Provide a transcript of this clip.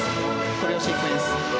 コレオシークエンス。